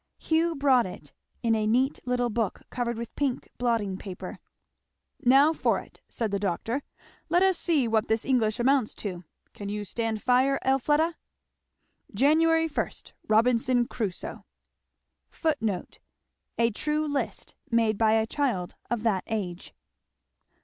Hugh brought it, in a neat little book covered with pink blotting paper. "Now for it," said the doctor; "let us see what this English amounts to. Can you stand fire, Elfleda?" 'Jan. 1. Robinson Crusoe.' [Footnote: A true list made by a child of that age.